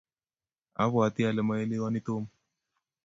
abwatii ale maelewanin Tom.